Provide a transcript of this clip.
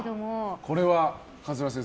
これは桂先生